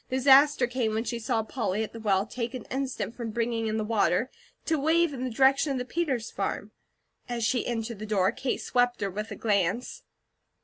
Disaster came when she saw Polly, at the well, take an instant from bringing in the water, to wave in the direction of the Peters farm. As she entered the door, Kate swept her with a glance.